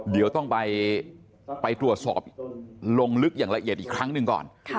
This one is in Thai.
เดี๋ยวต้องไปตรวจสอบลงลึกอย่างละเอียดอีกครั้งหนึ่งก่อน